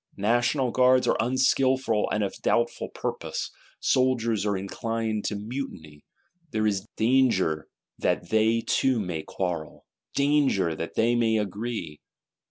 National Guards are unskilful, and of doubtful purpose; Soldiers are inclined to mutiny: there is danger that they two may quarrel, danger that they may agree.